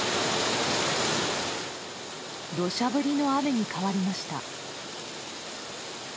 土砂降りの雨に変わりました。